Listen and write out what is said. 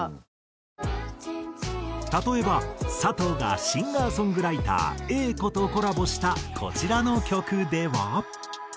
例えば佐藤がシンガーソングライターａ子とコラボしたこちらの曲では。